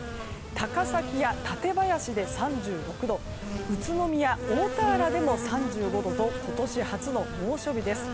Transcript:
高崎や館林で３６度宇都宮、大田原でも３５度と今年初の猛暑日です。